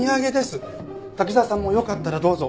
滝沢さんもよかったらどうぞ。